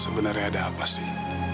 sebenarnya ada apa sih